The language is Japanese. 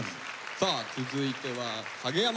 さあ続いては影山。